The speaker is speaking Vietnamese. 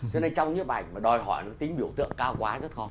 cho nên trong những bài ảnh mà đòi hỏi nó tính biểu tượng cao quá rất khó